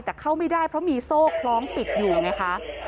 แต่เข้าไม่ได้เพราะมีโซ่คล้องปิดอยู่ไงคะ